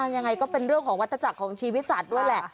ยังไงก็เป็นเรื่องของวัตถจักรของชีวิตสัตว์ด้วยแหละ